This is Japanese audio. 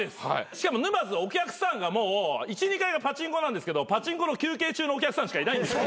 しかも沼津お客さんがもう１２階がパチンコ屋なんですけどパチンコの休憩中のお客さんしかいないんです。